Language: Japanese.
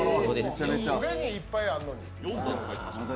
既にいっぱいあんのに。